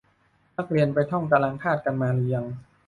นักเรียนไปท่องตารางธาตุกันมาหรือยัง